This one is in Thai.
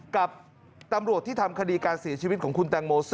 กับตำรวจที่ทำคดีการเสียชีวิตของคุณแตงโม๔